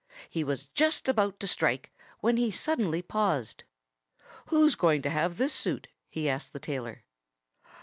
He was just about to strike, when he suddenly paused. "Who's going to have this suit?" he asked the tailor.